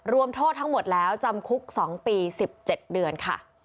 รวมโทษทั้งหมดแล้วจำคุก๒ปี๑๗เดือนค่ะ